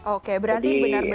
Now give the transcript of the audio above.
oke berarti benar benar